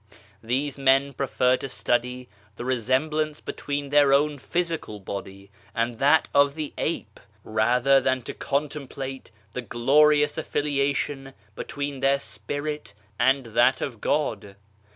These men prefer to study the resemblance between their own physical body and that of the ape, rather than to contemplate the glorious affiliation between their Spirit and that of God.